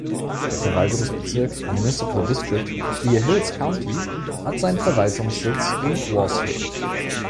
Der Verwaltungsbezirk („Municipal District“) Clear Hills County hat seinen Verwaltungssitz in Worsley.